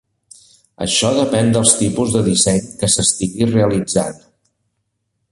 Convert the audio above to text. Això depèn del tipus de disseny que s'estigui realitzant.